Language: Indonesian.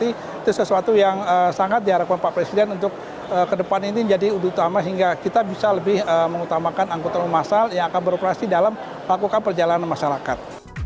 itu sesuatu yang sangat diharapkan pak presiden untuk ke depan ini menjadi utama hingga kita bisa lebih mengutamakan angkutan umum asal yang akan beroperasi dalam melakukan perjalanan masyarakat